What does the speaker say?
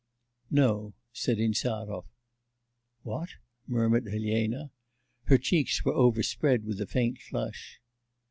'No,' said Insarov. 'What?' murmured Elena. Her cheeks were overspread with a faint flush.